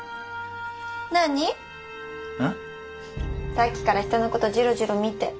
さっきから人の事じろじろ見て。